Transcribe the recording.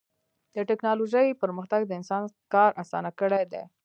د ټکنالوجۍ پرمختګ د انسان کار اسان کړی دی.